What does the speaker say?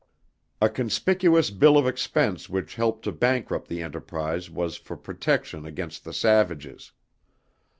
A conspicuous bill of expense which helped to bankrupt the enterprise was for protection against the savages.